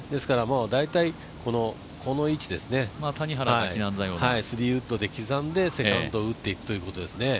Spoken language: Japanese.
大体この位置ですね、３ウッドで刻んでセカンドを打っていくということですね。